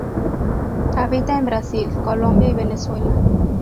Habita en Brasil, Colombia y Venezuela.